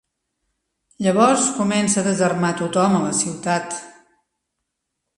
Llavors comença a desarmar tothom a la ciutat.